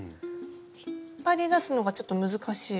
引っ張り出すのがちょっと難しい。